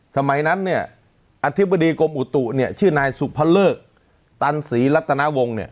สมัยนั้นเนี่ยอธิบดีกรมอุตุเนี่ยชื่อนายสุภเลิกตันศรีรัตนาวงศ์เนี่ย